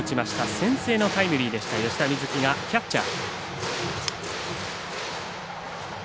先制のタイムリーでした吉田瑞樹がキャッチャー。